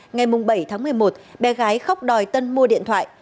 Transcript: ngày bảy tháng một mươi một bé gái khóc đòi tân mua điện thoại